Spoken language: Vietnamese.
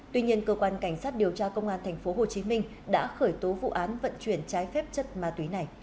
tuy nhiên cơ quan cảnh sát điều tra công an tp hcm đã khởi tố vụ án vận chuyển trái phép chất ma túy này